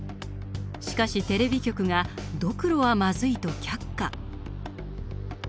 しかしテレビ局が「ドクロはまずい」と却下。